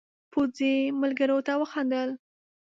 پوځي ملګرو ته وخندل.